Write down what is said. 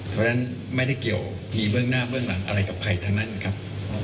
เพราะฉะนั้นไม่ได้เกี่ยวมีเบื้องหน้าเบื้องหลังอะไรกับใครทั้งนั้นครับ